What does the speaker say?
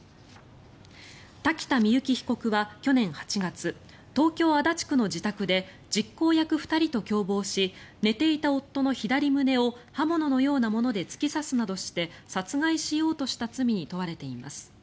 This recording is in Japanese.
瀧田深雪被告は去年８月東京・足立区の自宅で実行役２人と共謀し寝ていた夫の左胸を刃物のようなもので突き刺すなどして殺害しようとした罪に問われています。